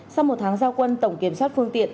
sau một tháng giao quân tổng kiểm soát phương tiện